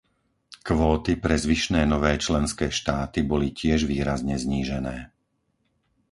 Kvóty pre zvyšné nové členské štáty boli tiež výrazne znížené.